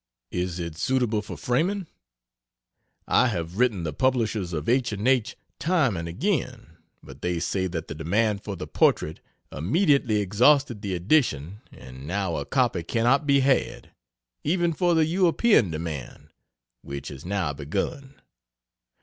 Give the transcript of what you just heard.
Is it suitable for framing? I have written the publishers of H & H time and again, but they say that the demand for the portrait immediately exhausted the edition and now a copy cannot be had, even for the European demand, which has now begun.